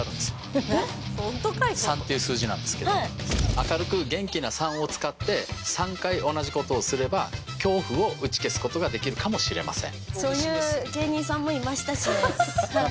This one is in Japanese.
明るく元気な３を使って３回同じことをすれば恐怖を打ち消すことができるかもしれません。